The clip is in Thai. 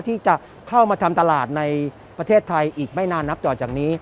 ที่จะเข้ามาทำตลาดในประเทศไทยอีกไม่นานนับต่อจากนี้